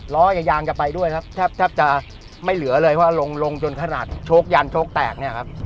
ล้อยางจะไปด้วยครับแทบจะไม่เหลือเลยว่าลงลงจนขนาดโชคยันโชคแตกเนี่ยครับ